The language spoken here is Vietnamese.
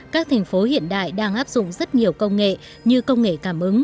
các thành phố hiện đại đang áp dụng rất nhiều công nghệ như công nghệ cảm ứng